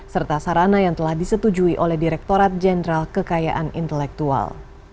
serta sarana yang telah disetujui oleh direkturat jenderal kekayaan intelektual